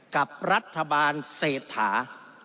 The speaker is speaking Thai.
กับรัฐบาลเศรษฐา